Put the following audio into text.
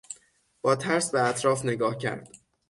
با ترس به اطراف نگاه کرد.